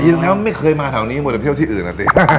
อ๋อปีแล้วไม่เคยมาแถวนี้มดเที่ยวที่อื่นอะสิ